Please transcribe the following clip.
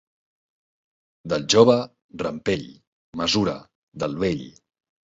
Del jove, rampell; mesura, del vell.